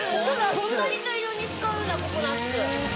こんなに大量に使うんだココナツ。